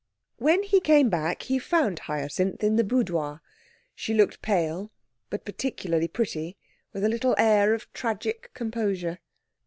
When he came back he found Hyacinth in the boudoir. She looked pale, but particularly pretty, with a little air of tragic composure.